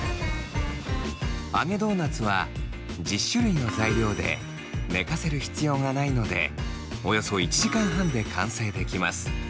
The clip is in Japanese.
揚げドーナツは１０種類の材料で寝かせる必要がないのでおよそ１時間半で完成できます。